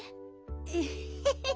エッヘヘヘ。